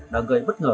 đã gây bất ngờ